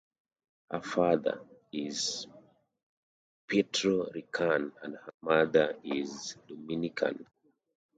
Her father is Puerto Rican and her mother is Dominican.